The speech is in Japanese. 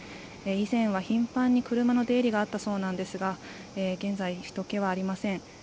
以前は頻繁に車の出入りがあったそうですが現在、ひとけはありません。